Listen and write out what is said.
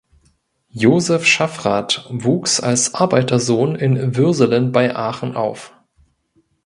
Josef Schaffrath wuchs als Arbeitersohn in Würselen bei Aachen auf.